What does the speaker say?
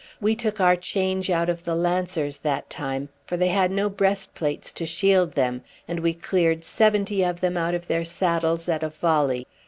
We took our change out of the lancers that time; for they had no breastplates to shield them, and we cleared seventy of them out of their saddles at a volley.